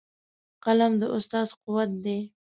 قلم د استاد قوت دی.